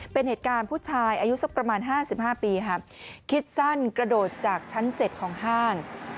เป็นเหตุการณ์ผู้ชายอายุสักประมาณ๕๕ปีครับคิดสั้นกระโดดจากชั้น๗ของห้าง